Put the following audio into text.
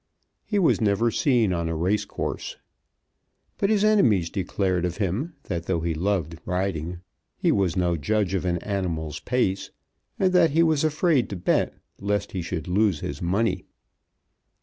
He was never seen on a racecourse. But his enemies declared of him, that though he loved riding he was no judge of an animal's pace, and that he was afraid to bet lest he should lose his money.